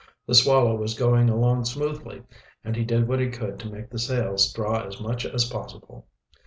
The Swallow was going along smoothly, and he did what he could to make the sails draw as much as possible.